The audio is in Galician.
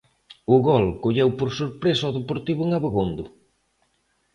O gol colleu por sorpresa ao Deportivo en Abegondo.